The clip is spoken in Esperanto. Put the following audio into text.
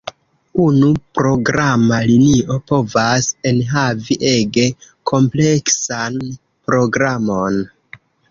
Unu programa linio povas enhavi ege kompleksan programon.